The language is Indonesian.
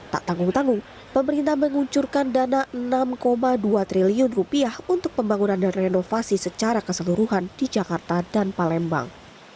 tak tanggung tanggung pemerintah menguncurkan dana rp enam dua triliun untuk pembangunan dan renovasi secara keseluruhan di jakarta dan palembang